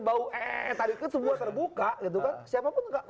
biar gampang jangan serius